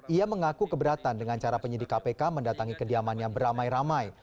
ia mengaku keberatan dengan cara penyidik kpk mendatangi kediamannya beramai ramai